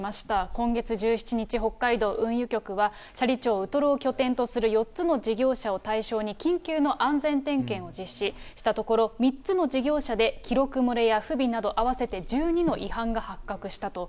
今月１７日、北海道運輸局は、斜里町ウトロを拠点とする４つの事業者を対象に緊急の安全点検を実施したところ３つの事業者で記録漏れや不備など、合わせて１２の違反が発覚したと。